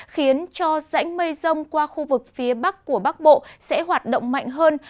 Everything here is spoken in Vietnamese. khiến cho rãnh mây rông qua khu vực phía bắc của bắc bộ sẽ hoạt động mạnh hơn